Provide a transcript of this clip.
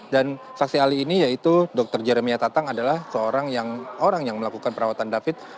dan saksi ahli ini yaitu dokter jeremia tatang adalah seorang yang orang yang melakukan perawatan david